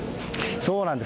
そうなんです。